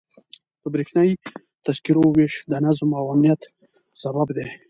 د بریښنایي تذکرو ویش د نظم او امنیت سبب دی.